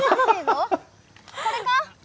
これか？